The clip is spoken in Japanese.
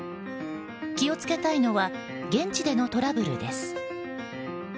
気を付けたいのは現地でのトラブルです。